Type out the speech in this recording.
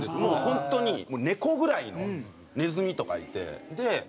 もう本当に猫ぐらいのネズミとかいて。